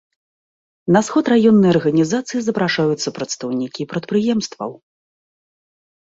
На сход раённай арганізацыі запрашаюцца прадстаўнікі прадпрыемстваў.